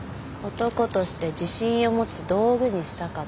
男として自信を持つ道具にしたかった。